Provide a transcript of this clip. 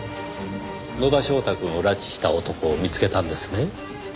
野田翔太くんを拉致した男を見つけたんですね。